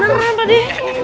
bayi beneran tadi